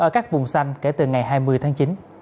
ở các vùng xanh kể từ ngày hai mươi tháng chín